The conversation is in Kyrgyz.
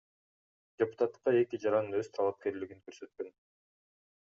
Депутаттыкка эки жаран өз талапкерлигин көрсөткөн.